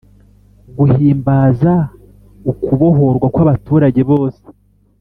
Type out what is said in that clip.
« guhimbaza ukubohorwa kw’abaturage bose